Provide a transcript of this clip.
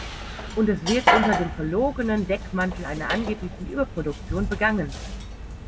Und es wird unter dem verlogenen Deckmantel einer angeblichen Überproduktion begangen.